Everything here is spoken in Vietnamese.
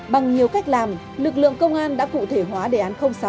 bằng nhiều cách làm lực lượng công an đã cụ thể hóa đề án sáu